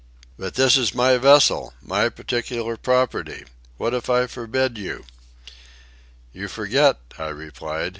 "But this is my vessel, my particular property. What if I forbid you?" "You forget," I replied.